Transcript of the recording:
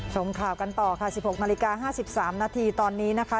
ชมข่าวกันต่อค่ะ๑๖นาฬิกา๕๓นาทีตอนนี้นะคะ